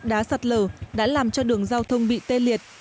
những đá sặt lở đã làm cho đường giao thông bị tê liệt